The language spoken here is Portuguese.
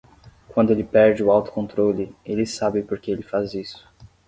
Quando ele perde o autocontrole, ele sabe por que ele faz isso.